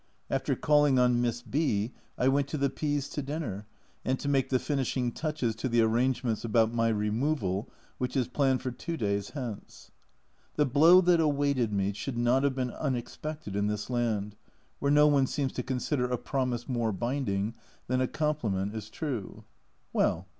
After calling on Miss B I went to the P s to dinner and to make the finishing touches to the arrangements about my removal, which is planned for two days hence. The blow that awaited me should not have been unexpected in this land, where no one seems to con sider a promise more binding than a compliment is true. Well